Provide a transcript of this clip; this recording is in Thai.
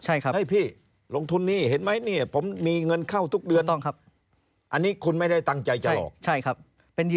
อันนี้คุณไม่ได้ตั้งใจจะหลอก